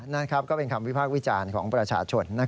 นั่นก็เป็นคำวิพากษ์วิจารณ์ของประชาชน